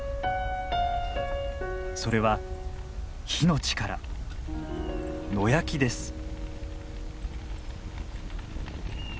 それは火の力野焼きです。